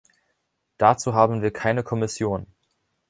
Dazu haben wir keine Kommission.